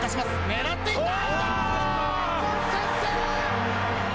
狙っていった。